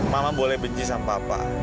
mama boleh benci sama papa